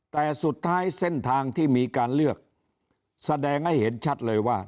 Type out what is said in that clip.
แต่สุดท้ายเส้นทางที่มีการเลือกแสดงให้เห็นชัดเลยว่า